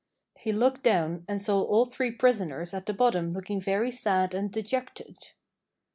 He looked down, and saw all three prisoners at the bottom looking very sad and dejected.